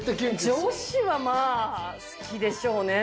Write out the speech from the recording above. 女子はまぁ好きでしょうね。